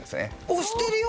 押してるよ